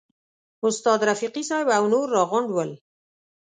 استاد رفیقي صاحب او نور راغونډ ول.